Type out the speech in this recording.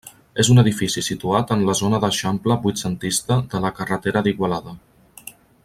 És un edifici situat en la zona d'eixample vuitcentista de la carretera d'Igualada.